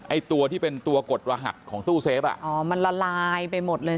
ไอ้ตัวที่เป็นตัวกดรหัสของตู้เซฟอ่ะอ๋อมันละลายไปหมดเลย